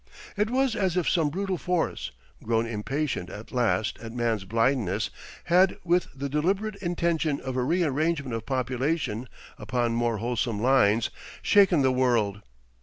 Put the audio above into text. It was as if some brutal force, grown impatient at last at man's blindness, had with the deliberate intention of a rearrangement of population upon more wholesome lines, shaken the world.